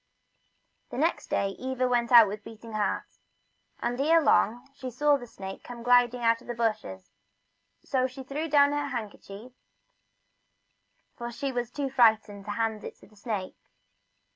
The next day Eva went out with beating heart, and ere long she saw the snake come gliding out from the bushes, so she threw down her handkerchief, for she was too frightened to hand it to the snake.